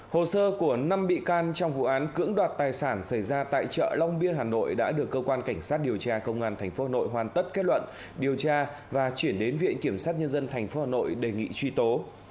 hồ sơ của năm bị can trong vụ án cưỡng đoạt tài sản xảy ra tại chợ long biên hà nội đã được cơ quan cảnh sát điều tra công an tp hà nội hoàn tất kết luận điều tra và chuyển đến viện kiểm sát nhân dân tp hà nội đề nghị truy tố